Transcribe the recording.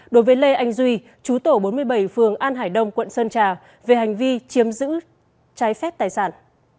đối với lê anh duy chú tổ bốn mươi bảy phường an hải đông quận sơn trà về hành vi chiếm giữ trái phép tài sản